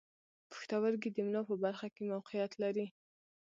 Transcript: پښتورګي د ملا په برخه کې موقعیت لري.